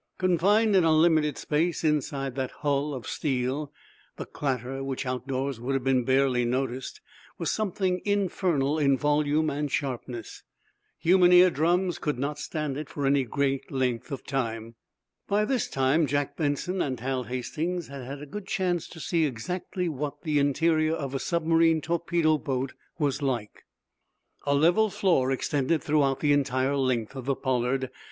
Confined in a limited space, inside that bull of steel, the clatter, which outdoors would have been barely noticed, was something infernal in volume and sharpness. Human ear drums could not stand it for any very great length of time. By this time Jack Benson and Hal Hastings had had a good chance to see exactly what the interior of a submarine torpedo boat was like. A level floor extended throughout the entire length of the "Pollard."